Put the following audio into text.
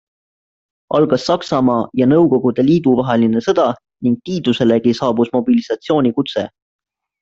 Algas Saksamaa ja Nõukogude Liidu vaheline sõda ning Tiiduselegi saabus mobilisatsioonikutse.